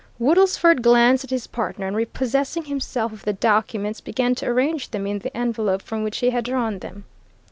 Woodlesford glanced at his partner, and repossessing himself of the documents, began to arrange them in the envelope from which he had drawn them.